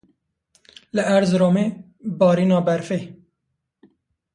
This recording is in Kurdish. Li Erzeromê barîna berfê.